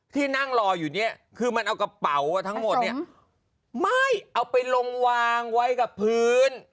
ที่นั่งรออยู่เนี่ยคือมันเอากระเป๋าทั้งหมดเนี่ยไม่เอาไปลงวางไว้กับพื้น